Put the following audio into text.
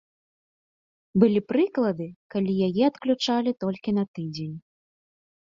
Былі прыклады, калі яе адключалі толькі на тыдзень.